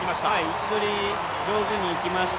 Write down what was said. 位置取り、上手にいきました